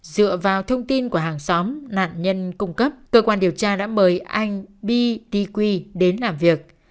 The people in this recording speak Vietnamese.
dựa vào thông tin của hàng xóm nạn nhân cung cấp cơ quan điều tra đã mời anh b d quy đến làm việc